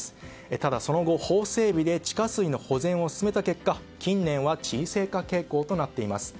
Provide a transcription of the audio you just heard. ただ、その後、法整備で地下水の保全を進めた結果近年は沈静化傾向となっています。